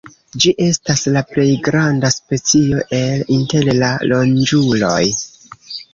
Ĝi estas la plej granda specio el inter la ronĝuloj.